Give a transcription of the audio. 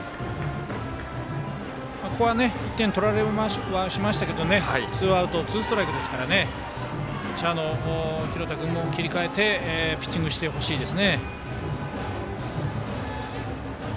ここは１点取られはしましたがツーアウトツーストライクですからピッチャーの廣田君も切り替えてピッチングをしてほしいと思いますね。